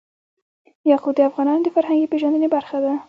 یاقوت د افغانانو د فرهنګي پیژندنې برخه ده.